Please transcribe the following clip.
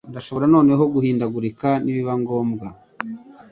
Ndashobora noneho guhindagurika nibiba ngombwa